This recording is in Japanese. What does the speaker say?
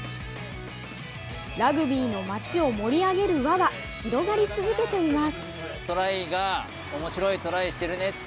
ラグビーの街を盛り上げる輪が広がり続けています。